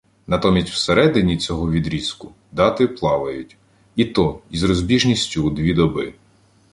Натомість всередині цього відрізку дати «плавають», і то із розбіжністю у дві доби.